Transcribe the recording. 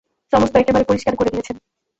সমস্ত একেবারে পরিষ্কার করে দিয়েছেন।